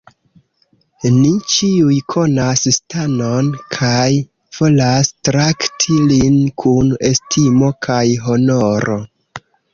Ni ĉiuj konas Stanon kaj volas trakti lin kun estimo kaj honoro.